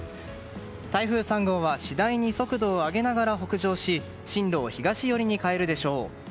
台風３号は次第に速度を上げながら北上し進路を東寄りに変えるでしょう。